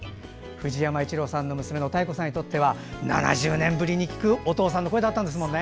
藤山一郎さんの娘のたい子さんにとっては７０年ぶりに聞くお父さんの声だったんですもんね。